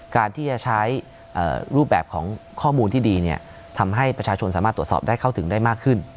การที่จะใช้รูปแบบของข้อมูลที่ดีทำให้ประชาชนสามารถตรวจสอบได้เข้าถึงได้มากขึ้น